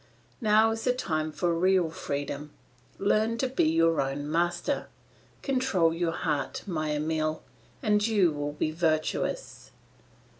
Now is the time for real freedom; learn to be your own master; control your heart, my Emile, and you will be virtuous.